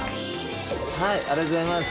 ありがとうございます。